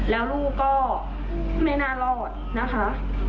แล้วลูกก็ไม่น่ารอดนะคะ